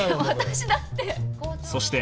私だって。